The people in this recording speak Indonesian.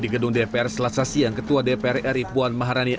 gedung dpr selat sasyiang ketua dpr ri puan maharani